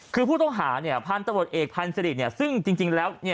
คือผู้ต้องหาพันธบทเอกพันธบทศรีซึ่งจริงแล้ว